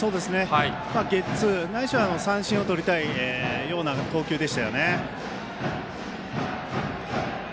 ゲッツーないしは三振をとりたいような投球でしたよね。